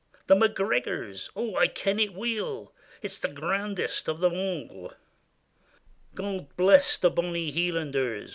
The McGregor's. Oh! Ikenitweel; It's the grandest o' them a' !" God bless the bonny Hielanders!